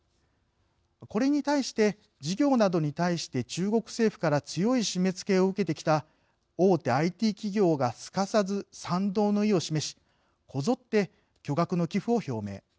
これに対して事業などに対して中国政府から強い締めつけを受けてきた大手ＩＴ企業がすかさず賛同の意を示しこぞって巨額の寄付を表明。